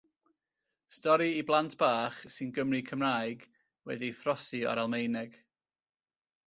Stori i blant bach sy'n Gymry Cymraeg, wedi'i throsi o'r Almaeneg.